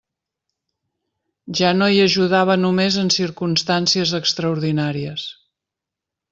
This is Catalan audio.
Ja no hi ajudava només en circumstàncies extraordinàries.